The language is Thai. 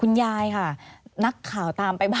อันดับ๖๓๕จัดใช้วิจิตร